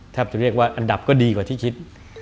จะเรียกว่าอันดับก็ดีกว่าที่คิด